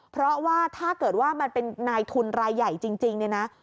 เพราะว่าถ้าเกิดว่ามันเป็นนายทุนรายใหญ่จริงเนี่ยนะ